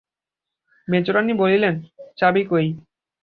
মেজোরানী বললেন, চাবি কই?